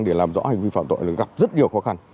để làm rõ hành vi phạm tội là gặp rất nhiều khó khăn